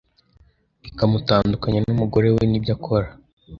ikamutandukanya n’umugore we nibyo akora